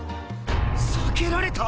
避けられた！？